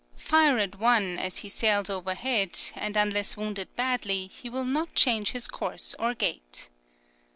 Fire at one as he sails overhead, and, unless wounded badly, he will not change his course or gait.